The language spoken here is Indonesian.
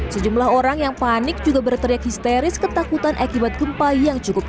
sejumlah orang yang panik juga berteriak histeris ketakutan akibat gempa yang cukup